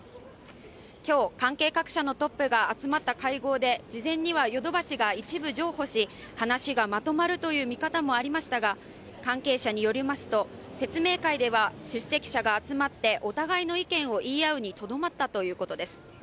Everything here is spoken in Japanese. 今日、関係各社のトップが集まった会合で事前にはヨドバシが一部譲歩し話がまとまるという見方もありましたが、関係者によりますと説明会では出席者が集まってお互いの意見を言い合うにとどまったということです。